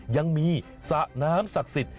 ยังมีสระน้ำศักดิ์สิทธิ